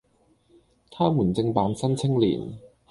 他們正辦《新青年》，